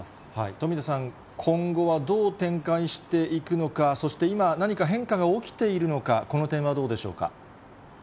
富田さん、今後はどう展開していくのか、そして今、何か変化が起きているのか、この点はどうでしょうか。